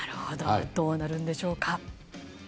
どうなるんでしょうか。